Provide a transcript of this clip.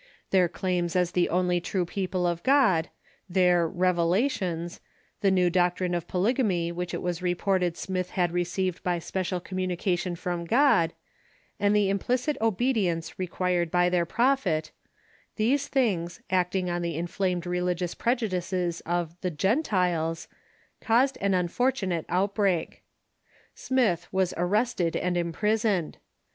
Their claims as the only true people of God, their "revelations," the new doctrine of polygamy which it was reported Smith had received by spe cial communication from God, and the implicit obedience re quired by their prophet — these things, acting on the inflamed religious prejudices of the " Gentiles," caused an unfortunate outbreak. Smith was arrested and imprisoned.